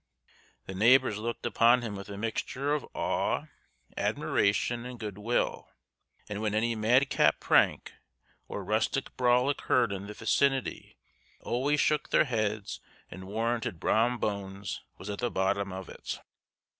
The neighbors looked upon him with a mixture of awe, admiration, and good will, and when any madcap prank or rustic brawl occurred in the vicinity always shook their heads and warranted Brom Bones was at the bottom of it.